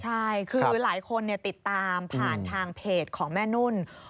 ใช่คือหลายคนติดตามผ่านทางเพจของแม่นุ่น